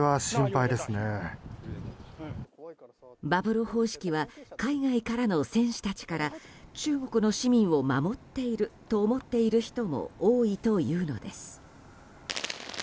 バブル方式は海外からの選手たちから中国の市民を守っていると思っている人も多いというのです。